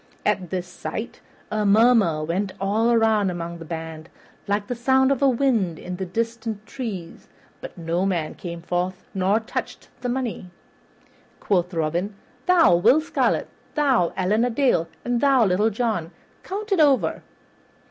At this sight a murmur went all around among the band, like the sound of the wind in distant trees; but no man came forward nor touched the money. Quoth Robin, "Thou, Will Scarlet, thou, Allan a Dale, and thou, Little John, count it over."